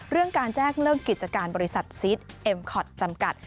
เรื่องการแจ้งเลิกกิจการบริษัทซิสเอ็มคอตจำกัด